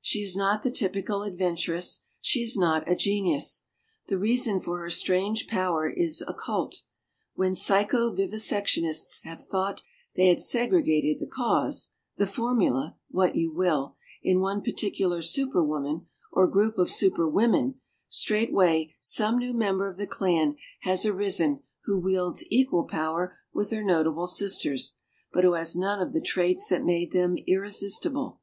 She is not the typical adventuress; she is not a genius. The reason for her strange power is occult. When psycho vivisectionists have thought they had segregated the cause the formula what you will in one particular Super Woman or group of Super Women, straightway some new member of the clan has arisen who wields equal power with her notable sisters, but who has none of the traits that made them irresistible.